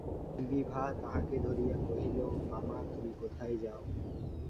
বিভা তাঁহাকে ধরিয়া কহিল, মামা, তুমি কোথায় যাও।